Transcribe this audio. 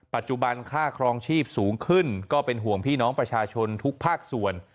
ค่าครองชีพสูงขึ้นก็เป็นห่วงพี่น้องประชาชนทุกภาคส่วน